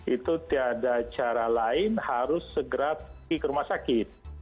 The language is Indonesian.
itu tiada cara lain harus segera pergi ke rumah sakit